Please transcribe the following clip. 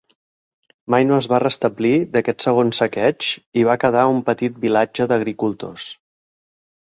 Mai no es va restablir d'aquest segon saqueig i va quedar un petit vilatge d'agricultors.